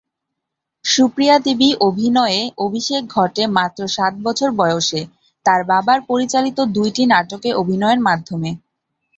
সুপ্রিয়া দেবী অভিনয়ে অভিষেক ঘটে মাত্র সাত বছর বয়সে, তার বাবা’র পরিচালিত দুইটি নাটকে অভিনয়ের মাধ্যমে।